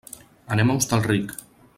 Anem a Hostalric.